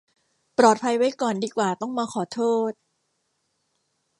ปลอดภัยไว้ก่อนดีกว่าต้องมาขอโทษ